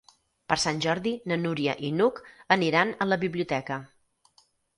Per Sant Jordi na Núria i n'Hug aniran a la biblioteca.